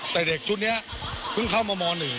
แต่เด็กชุดนี้เพิ่งเข้ามาม๑